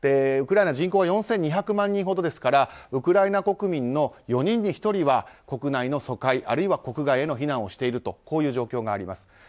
ウクライナ人口は４０００万人ほどですからウクライナ国民の４人に１人は国内の疎開、あるいは国外への避難をしているという状況があります。